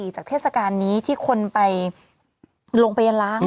๒๔๐๐๐๐จากเทศการณ์นี้ที่คนไปลงไปล้าง